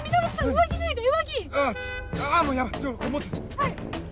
はい。